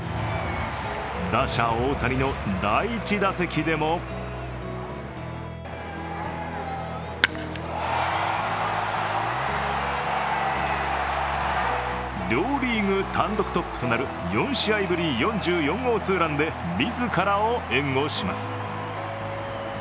打者・大谷の第１打席でも両リーグ単独トップとなる４試合ぶり４４号ツーランで自らを援護します。